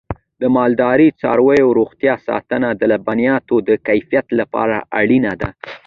د مالدارۍ د څارویو روغتیا ساتنه د لبنیاتو د کیفیت لپاره اړینه ده.